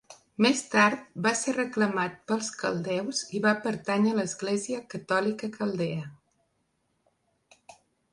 Més tard va ser reclamat pels caldeus i va pertànyer a l'Església Catòlica Caldea.